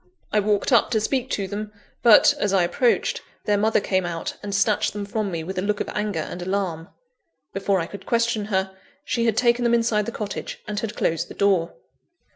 I walked up to speak to them; but, as I approached, their mother came out, and snatched them from me with a look of anger and alarm. Before I could question her, she had taken them inside the cottage, and had closed the door.